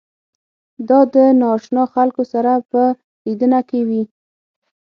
دا د نااشنا خلکو سره په لیدنه کې وي.